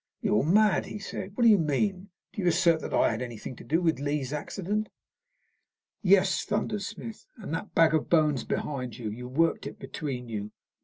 "You are mad," he said. "What do you mean? Do you assert that I had anything to do with Lee's accident?" "Yes," thundered Smith. "You and that bag of bones behind you; you worked it between you.